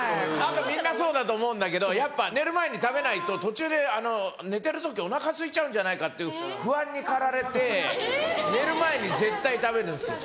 みんなそうだと思うんだけどやっぱ寝る前に食べないと途中で寝てる時お腹すいちゃうんじゃないかっていう不安に駆られて寝る前に絶対食べるんですよ。